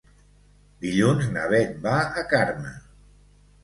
Dilluns na Beth va a Carme.